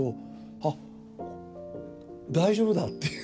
「あっ、大丈夫だ」っていう。